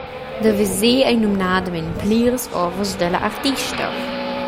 Da veser ein numnadamein pliras ovras dalla artista.